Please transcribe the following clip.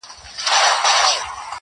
ویښ مي له پېړیو په خوب تللي اولسونه دي!!